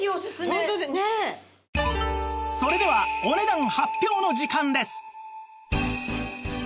それではお値段発表の時間です